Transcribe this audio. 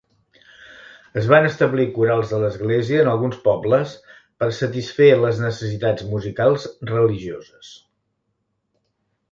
Es van establir corals de l'església en alguns pobles per satisfer les necessitats musicals religioses.